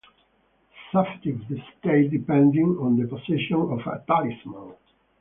The safety of the state depended on the possession of a talisman.